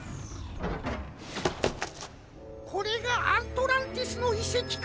これがアントランティスのいせきか。